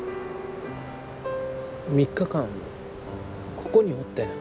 ３日間ここにおってん。